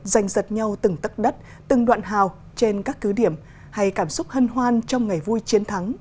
danh giật nhau từng tất đất từng đoạn hào trên các cứ điểm hay cảm xúc hân hoan trong ngày vui chiến thắng